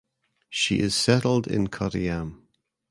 She is settled in Kottayam.